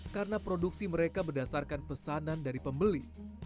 karena produksi mereka berdasarkan pesanan dari pembeli